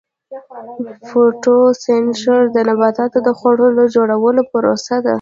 فوتوسنتیز د نباتاتو د خوړو جوړولو پروسه ده